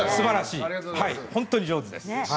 本当に上手です。